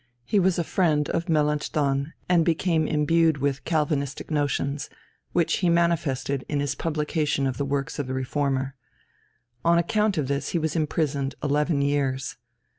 He was a friend of Melanchthon, and became imbued with Calvinistic notions, which he manifested in his publication of the works of the Reformer. On account of this he was imprisoned eleven years.